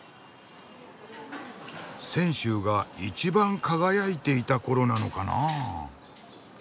泉州が一番輝いていた頃なのかなあ。